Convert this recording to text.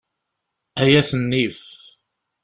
Ay at nnif!